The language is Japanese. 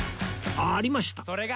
ありました！